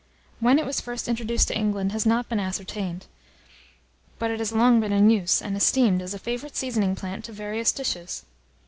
When it was first introduced to England, has not been ascertained; but it has long been in use, and esteemed as a favourite seasoning plant to various dishes.